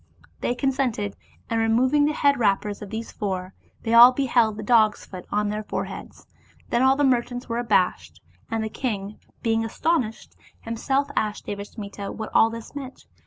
They consented, and removing the head wrappers of these four, they all beheld the dog's foot on their foreheads. Then all the merchants were abashed, and the king, being astonished, himself asked Devasmita what all this meant.